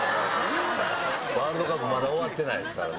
ワールドカップまだ終わってないですからね。